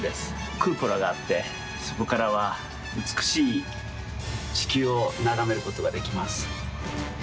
クーポラがあってそこからはうつくしいちきゅうをながめることができます。